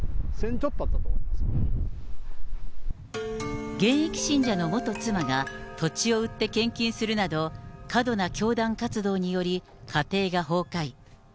ちょっとあったと思いま現役信者の元妻が、土地を売って献金するなど、過度な教団活動により、家庭が崩壊。